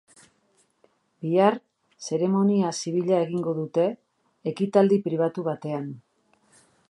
Bihar, zeremonia zibila egingo dute, ekitaldi pribatu batean.